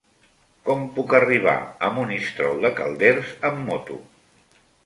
Com puc arribar a Monistrol de Calders amb moto?